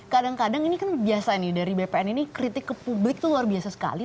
kadang kadang ini kan biasa nih dari bpn ini kritik ke publik itu luar biasa sekali